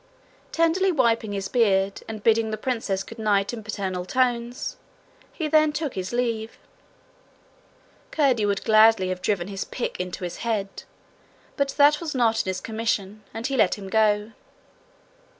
Tenderly wiping his beard, and bidding the princess good night in paternal tones, he then took his leave. Curdie would gladly have driven his pick into his head, but that was not in his commission, and he let him go.